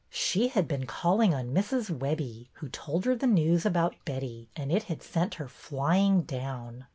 She had been calling on Mrs. Webbie, who told her the news about Betty, and it had sent her flying down.